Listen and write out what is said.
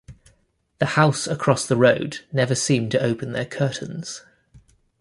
The house across the road never seem to open their curtains.